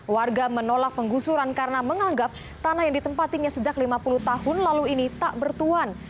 warga menolak penggusuran karena menganggap tanah yang ditempatinya sejak lima puluh tahun lalu ini tak bertuan